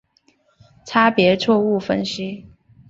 差别错误分析。